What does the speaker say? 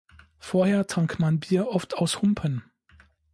Vorher trank man Bier oft aus Humpen.